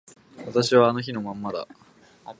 私はあの日のままなんだ